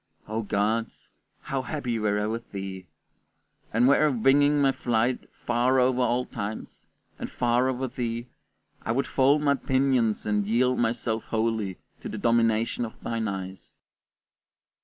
O God, how happy were I with thee! And were I winging my flight far over all times, and far over thee, I would fold my pinions and yield myself wholly to the domination of thine eyes.